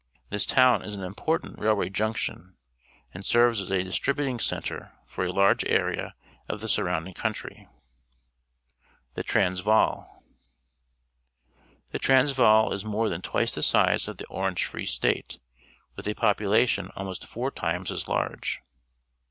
This town is an important railway junction and serves as a distributing centre for a large area of the surrounding country. Oj The Transvaal. — The Transvaal is more than twice the size of the Orange Free State, with a population almost four times as large.